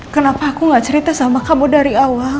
kenapa aku gak cerita sama kamu dari awal